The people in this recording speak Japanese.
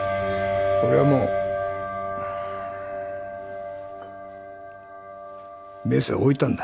俺はもうメスは置いたんだ